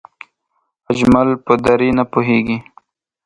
اجمل په دری نه پوهېږي